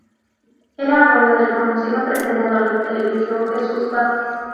Era abuelo del conocido presentador de televisión, Jesús Vázquez.